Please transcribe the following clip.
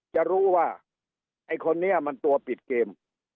จะรู้ว่าไอ้คนนี้มันตัวปิดเกม